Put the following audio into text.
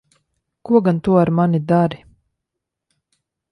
Ko gan tu ar mani dari?